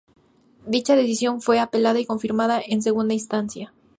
Dicha decisión fue apelada y confirmada en segunda instancia.